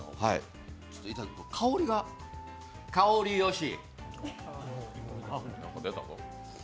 香りが香りよし。